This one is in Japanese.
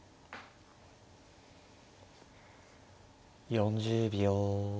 ４０秒。